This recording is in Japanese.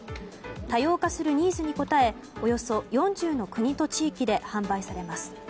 多様化するニーズに応えおよそ４０の国と地域で販売されます。